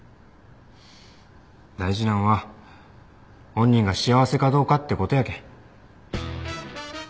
大事なんは本人が幸せかどうかってことやけん。